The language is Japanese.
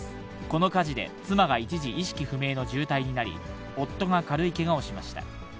この火事で妻が一時、意識不明の重体になり、夫が軽いけがをしました。